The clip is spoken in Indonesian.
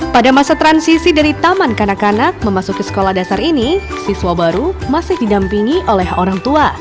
pada masa transisi dari taman kanak kanak memasuki sekolah dasar ini siswa baru masih didampingi oleh orang tua